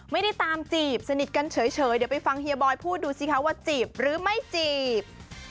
ไม่ได้ตามจีบสนิทกันเฉยเดี๋ยวไปฟังเฮียบอยพูดดูสิคะว่าจีบหรือไม่จีบ